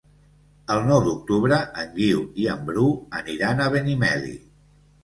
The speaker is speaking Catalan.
El nou d'octubre en Guiu i en Bru aniran a Benimeli.